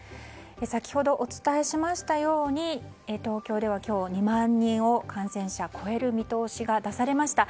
先ほど、お伝えしましたように東京では今日２万人を超える見通しが出されました。